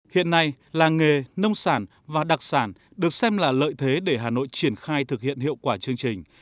hiện nay làng nghề nông sản và đặc sản được xem là lợi thế để hà nội triển khai thực hiện hiệu quả chương trình